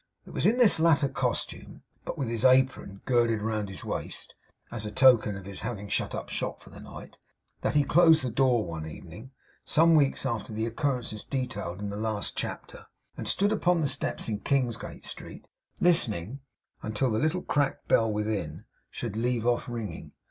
It was in this latter costume, but with his apron girded round his waist, as a token of his having shut up shop for the night, that he closed the door one evening, some weeks after the occurrences detailed in the last chapter, and stood upon the steps in Kingsgate Street, listening until the little cracked bell within should leave off ringing.